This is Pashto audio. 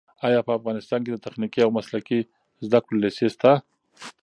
ایا په افغانستان کې د تخنیکي او مسلکي زده کړو لیسې شته؟